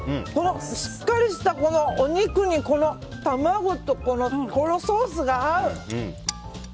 しっかりしたお肉にこの卵と、このソースが合う！